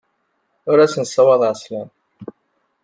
Ur asen-ssawaḍeɣ sslam.